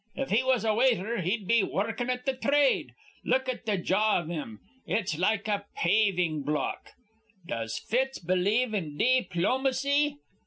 If he was a waiter, he'd be wurrukin' at th' thrade. Look at th' jaw iv him! It's like a paving block. "Does Fitz believe in di plomacy?